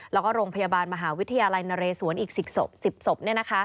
แล้วก็โรงพยาบาลมหาวิทยาลัยนเรศวรอีก๑๐ศพ